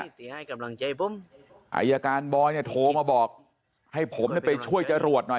ไอเยอาการบอยเนี่ยโทรมาบอกให้ผมไปช่วยจรวจหน่อย